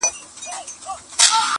ما ویل زه به ستا ښایستې سینې ته٫